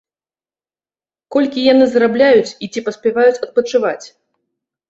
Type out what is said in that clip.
Колькі яны зарабляюць і ці паспяваюць адпачываць?